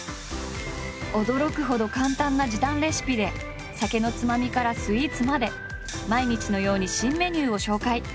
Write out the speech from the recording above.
驚くほど簡単な時短レシピで酒のつまみからスイーツまで毎日のように新メニューを紹介。